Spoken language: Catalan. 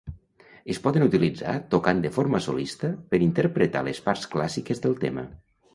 Es poden utilitzar tocant de forma solista per interpretar les parts clàssiques del tema.